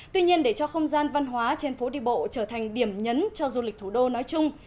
tuy nhiên để cho không gian văn hóa trên phố đi bộ trở thành điểm nhấn cho du lịch thủ đô nói chung